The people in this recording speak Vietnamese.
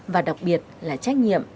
và đặc biệt là trách nhiệm